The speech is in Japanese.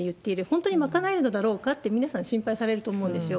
本当に賄えるのだろうかって、皆さん心配されると思うんですよ。